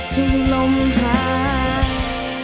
ถึงลมหาย